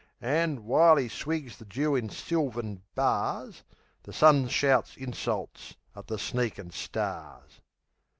An', w'ile 'e swigs the dew in sylvan bars, The sun shouts insults at the sneakin' stars.